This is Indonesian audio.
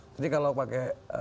jadi kalau pakai